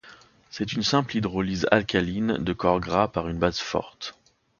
C'est une simple hydrolyse alcaline, de corps gras par une base forte.